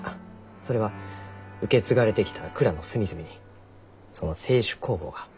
それは受け継がれてきた蔵の隅々にその清酒酵母が住んじょ